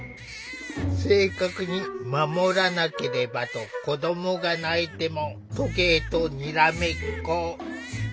正確に守らなければと子どもが泣いても時計とにらめっこ。